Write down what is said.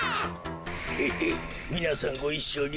ヘヘッみなさんごいっしょに。